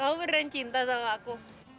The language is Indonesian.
kamu beneran cinta sama aku